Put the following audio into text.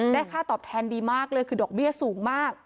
ค่าตอบแทนดีมากเลยคือดอกเบี้ยสูงมาก